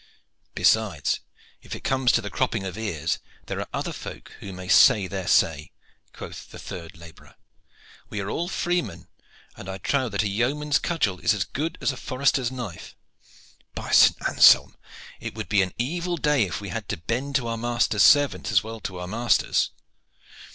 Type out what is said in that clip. "Besides, if it comes to the cropping of ears, there are other folk who may say their say," quoth the third laborer. "We are all freemen, and I trow that a yeoman's cudgel is as good as a forester's knife. By St. Anselm! it would be an evil day if we had to bend to our master's servants as well as to our masters."